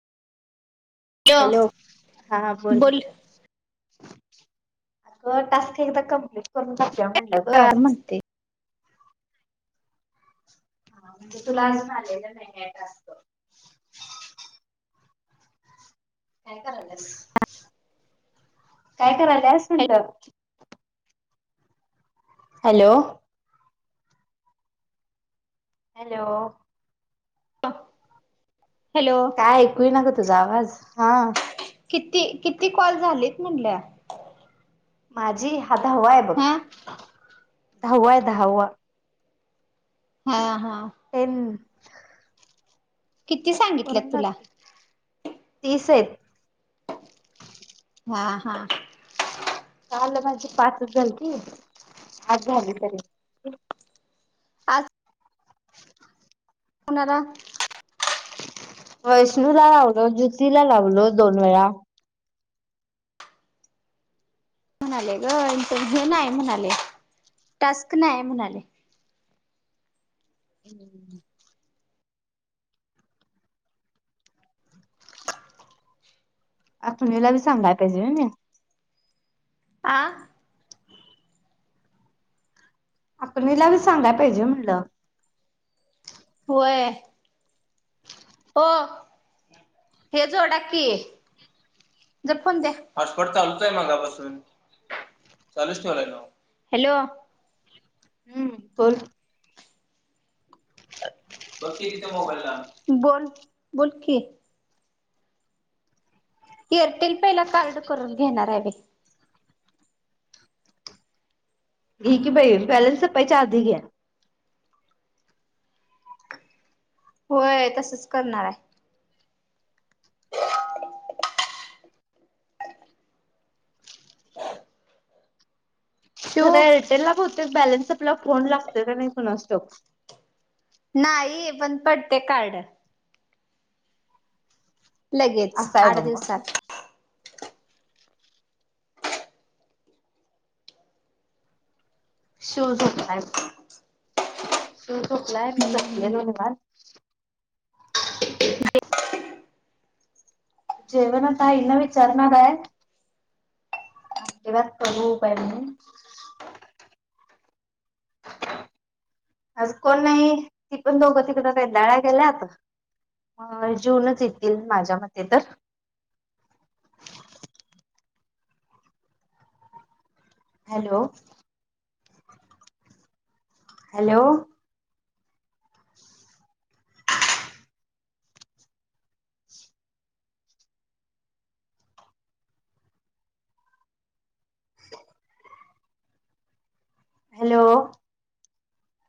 Hello, हा बोल? अग टास्क एकदा कमप्लीट करून टाकूया म्हटलं. काय म्हणते? हा म्हणजे तूला अजून आले नाही टास्क. काय करालास, काय करायलस हॅलो म्हणलं? हॅलो, हॅलो हॅलो, काय ऐकू येईना ग तुझा आवाज. हा किती -किती कॉल झालेत म्हटल्या? माझी हा धावा आहे बघ, हा धाव आहे धावा. हा हा. तन [unintelligible] किती सांग? करून टाक की, तीस आहेत. हा हा... काल माझी पाचच झालती, आज झाली तरी. आज कुणाला? वैष्णू ला लावलो, ज्योतीला लावलो दोन वेळा. म्हणाले ग इंटरव्हू नाही म्हणाले, टास्क नाही म्हणाले. हम्. सुनेला ला बी सांगायला पाहिजे त्या. आ आपणला बी सांगयला पाहिजे म्हटलं. होय. ओ हे जोडाकी. जर फोण द्या, फोन चालूच आहे मगापासून. चालूच ठेवलाय ना ओ, हॅलो ब [unintelligible] बघ की तीथ मोबाइला, बोल बोलकी. एअरटेल पेहला कार्ड करून घेणार आहे मी. घे की बाई आणि बॅलन्स संपायच्या आधी घ्या. होय, तसच करणार आहे. जरा शिव या एअरटेल ला बहुतेक बॅलन्स संपल्यावर फोन लागतय का नाही कोणास ठाऊक? नाही पण पडते कार्ड. लगेच असं आहे आठ बघ मग. दिवसात. शिव झोपलाय, शिव झोपलाय मी हम्म बसलेले निवांत. जेवन आता आईना विचारणार आहे. अ ते वत होपय [unintelligible] आज कोण नाही ती पण दोघं तिकडे काही [unintelligible] डाळ्या गेल्यात. अ जेऊनच येतील माझ्या मते तर हॅलो, हॅलो. [inaudible] हॅलो.